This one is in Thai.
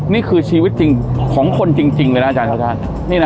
นี่คือชีวิตของคนจริงเลยล่ะอาจารย์ชัด